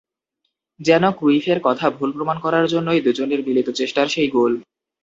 যেন ক্রুইফের কথা ভুল প্রমাণ করার জন্যই দুজনের মিলিত চেষ্টার সেই গোল।